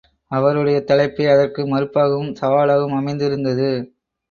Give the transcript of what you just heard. அவருடைய தலைப்பே அதற்கு மறுப்பாகவும் சவாலாகவும் அமைந்திருத்தது.